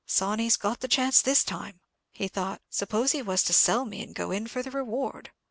"Sawney's got the chance this time," he thought. "Suppose he was to sell me, and go in for the reward?"